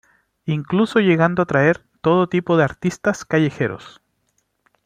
Incluso llegando a traer todo tipo de artistas callejeros.